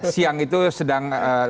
siang itu sedang